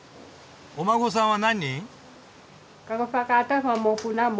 お孫さんは何人？